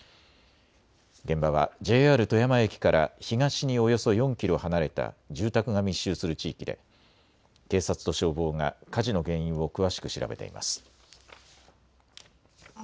現場はＪＲ富山駅から東におよそ４キロ離れた住宅が密集する地域で警察と消防が火事の原因を詳しく調べています。